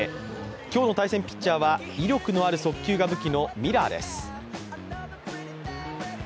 今日の対戦ピッチャーは威力がある速球が武器のミラーです。